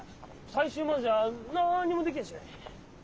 最終までじゃなんにもできやしねえ。